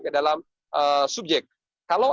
ke dalam subjek kalau